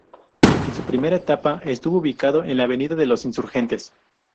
En su primera etapa, estuvo ubicado en la Avenida de los Insurgentes.